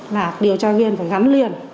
là điều tra viên phải gắn liền